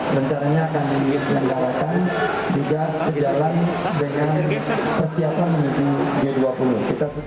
dan caranya akan diulis dengan peralatan juga terdalam dengan persiapan menuju g dua puluh